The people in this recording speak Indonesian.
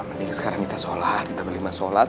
mending sekarang kita sholat kita berlima sholat